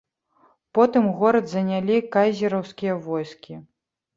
Потым горад занялі кайзераўскія войскі.